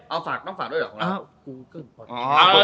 เอาฝากต้องฝากด้วยหรอของเรา